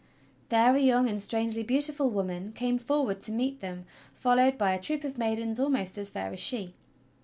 There a young and strangely beautiful woman came forward to meet them, followed by a troop of maidens almost as fair as she.